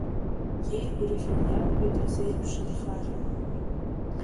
Иеигәырӷьан иалагеит азеиԥш нхара.